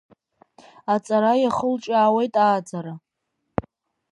Аҵара иахылҿиаауеит ааӡара.